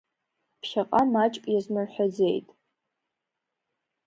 Ԥхьаҟа маҷк иазмырҳәазеит.